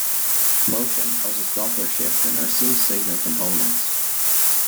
Motion causes Doppler shift in the received signal components.